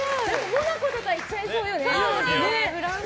モナコとか行っちゃいそうよね。